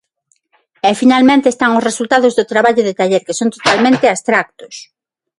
E finalmente están os resultados do traballo de taller que son totalmente abstractos.